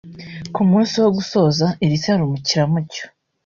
Ku munsi wo gusoza iri serukiramuco